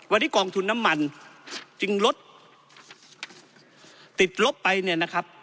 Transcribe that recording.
วันนี้กองทุนน้ำมันจึงลดติดลบไปเนี่ยนะครับ